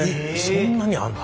そんなにあるの。